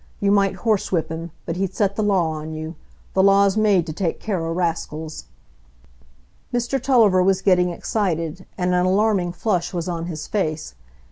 You might horse whip him, but he'd set the law on you,—the law's made to take care o' raskills." Mr Tulliver was getting excited, and an alarming flush was on his face.